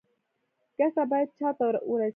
ګټه باید چا ته ورسي؟